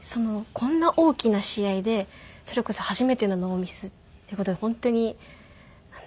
こんな大きな試合でそれこそ初めてのノーミスっていう事で本当になんだろうな。